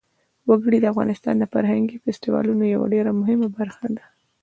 وګړي د افغانستان د فرهنګي فستیوالونو یوه ډېره مهمه برخه ده.